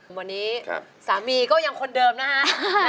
วันนี้สามีก็ยังคนเดิมนะฮะ